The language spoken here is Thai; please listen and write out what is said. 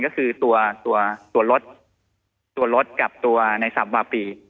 ก็คือตัวรถกับตัวในศัพท์บ้าปี